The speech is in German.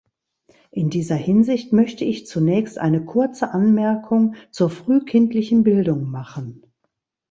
In dieser Hinsicht möchte ich zunächst eine kurze Anmerkung zur frühkindlichen Bildung machen.